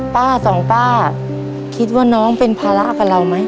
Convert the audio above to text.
ป้าสองป้าคิดว่าน้องเป็นภาระกับเราไหม